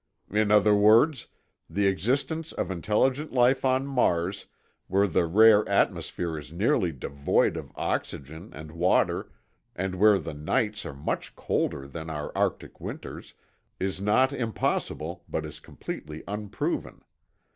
In other words, the existence of intelligent life on Mars, where the rare atmosphere is nearly devoid of oxygen and water and where the nights are much colder than our Arctic winters, is not impossible but is completely unproven.